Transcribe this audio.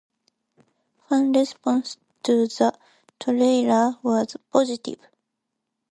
Fan response to the trailer was positive.